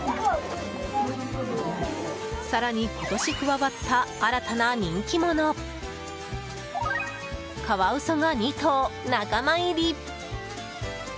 更に、今年加わった新たな人気者カワウソが２頭、仲間入り。